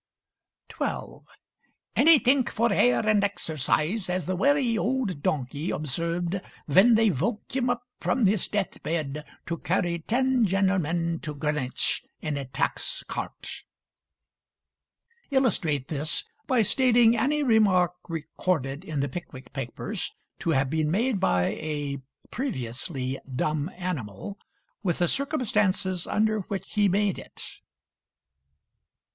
12. "Anythink for air and exercise, as the werry old donkey observed ven they voke him up from his death bed to carry ten gen'lmen to Greenwich in a tax cart!" Illustrate this by stating any remark recorded in the 'Pickwick Papers' to have been made by a (previously) dumb animal, with the circumstances under which he made it.